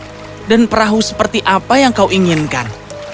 ini bukan perahu seperti apa yang kau inginkan